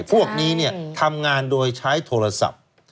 พวกนี้ทำงานโดยใช้โทรศัพท์